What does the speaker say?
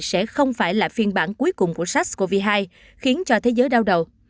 sẽ không phải là phiên bản cuối cùng của sars cov hai khiến cho thế giới đau đầu